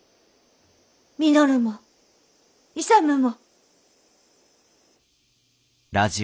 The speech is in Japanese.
稔も勇も。